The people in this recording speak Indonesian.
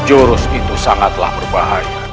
jurus itu sangatlah berbahaya